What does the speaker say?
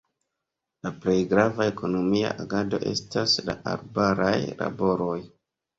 La plej grava ekonomia agado estas la arbaraj laboroj.